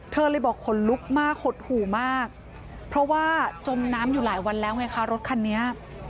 เธอเลยบอกขนลุกมากหดหู่มากเพราะว่าจมน้ำอยู่หลายวันแล้วไงคะรถคันนี้